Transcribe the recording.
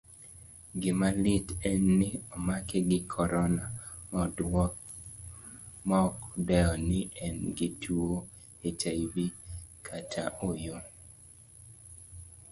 Gimalit en ni omake gi corona maokdewo ni engi tuwo hiv kata ooyo.